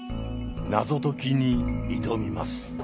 謎解きに挑みます。